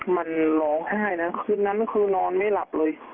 มันร้องไห้นะคืนนั้นคือนอนไม่หลับเลย